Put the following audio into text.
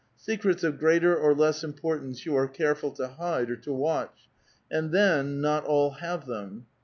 Secrets of greater or less importance jou are careful to hide or to watch ; and then, not all have them.